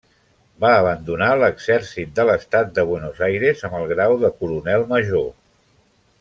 Va abandonar l'exèrcit de l'Estat de Buenos Aires amb el grau de coronel major.